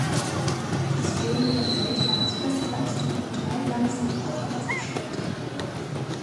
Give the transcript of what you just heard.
Es wurden eine Weltjahresbestleistung und drei Landesrekorde aufgestellt.